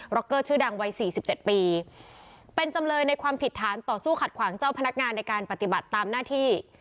็อกเกอร์ชื่อดังวัย๔๗ปีเป็นจำเลยในความผิดฐานต่อสู้ขัดขวางเจ้าพนักงานในการปฏิบัติตามหน้าที่